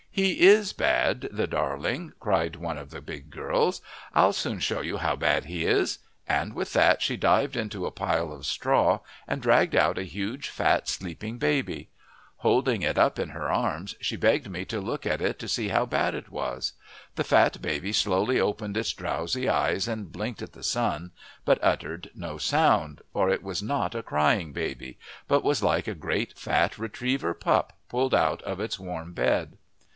"He is bad, the darling!" cried one of the big girls. "I'll soon show you how bad he is!" and with that she dived into a pile of straw and dragged out a huge fat sleeping baby. Holding it up in her arms she begged me to look at it to see how bad it was; the fat baby slowly opened its drowsy eyes and blinked at the sun, but uttered no sound, for it was not a crying baby, but was like a great fat retriever pup pulled out of its warm bed.